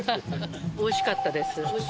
おいしかったです。